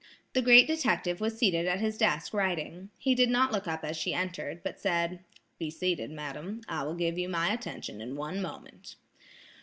The great detective was seated at his desk writing. He did not look up as she entered, but said: "Be seated, madam; I will give you my attention in one moment."